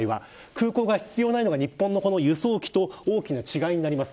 空港が必要ないのが日本のこの輸送機と大きな違いになります。